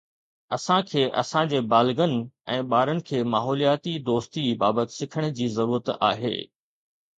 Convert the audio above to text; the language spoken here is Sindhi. اسان کي اسان جي بالغن ۽ ٻارن کي ماحولياتي دوستي بابت سکڻ جي ضرورت آهي